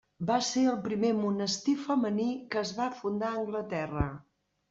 Va ser el primer monestir femení que es va fundar a Anglaterra.